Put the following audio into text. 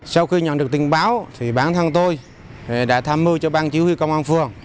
sau khi nhận được tình báo bản thân tôi đã tham mưu cho bang chí huy công an phường